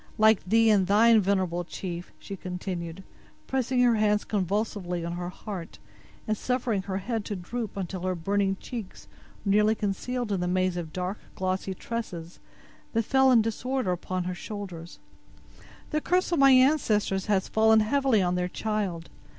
Like thee and thine, venerable chief," she continued, pressing her hands convulsively on her heart, and suffering her head to droop until her burning cheeks were nearly concealed in the maze of dark, glossy tresses that fell in disorder upon her shoulders, "the curse of my ancestors has fallen heavily on their child.